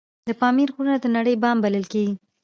د پامیر غرونه د نړۍ بام بلل کیږي